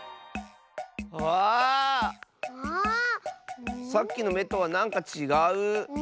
ああっ⁉さっきのめとはなんかちがう！